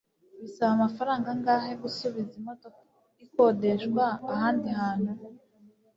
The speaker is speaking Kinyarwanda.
Bisaba amafaranga angahe gusubiza imodoka ikodeshwa ahandi hantu?